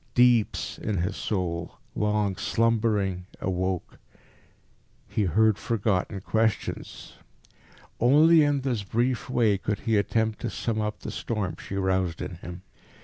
Deeps in his soul, long slumbering, awoke. He heard forgotten questions. Only in this brief way could he attempt to sum up the storm she roused in him.